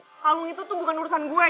kalau itu tuh bukan urusan gue